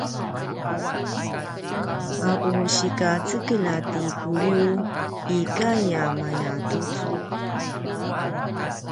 a u sikacekelj a ti Kuliw ikay a mayatucu